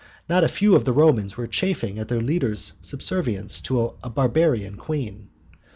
Not a few of the Romans were chafing at their leader's subservience to a "Barbarian" queen.